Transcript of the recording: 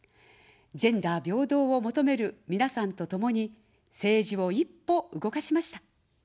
ジェンダー平等を求めるみなさんとともに政治を一歩動かしました。